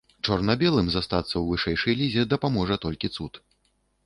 Чорна-белым застацца ў вышэйшай лізе дапаможа толькі цуд.